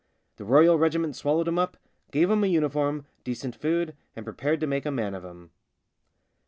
The Royal Regiment swallowed him up, gave him a uniform, decent food, and prepared to make a man of him.